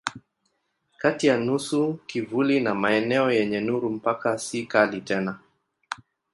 Kati ya nusu kivuli na maeneo yenye nuru mpaka si kali tena.